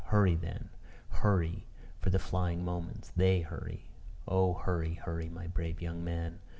Hurry then; hurry! for the flying moments they hurry! Oh hurry, hurry, my brave young man!